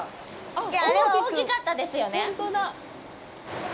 あれは大きかったですよね。